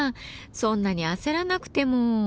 そんなに焦らなくても。